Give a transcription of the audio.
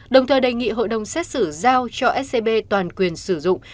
đồng thời đề nghị hội đồng xét xử giao cho scb toàn quyền sử dụng